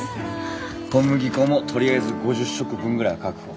小麦粉もとりあえず５０食分ぐらいは確保。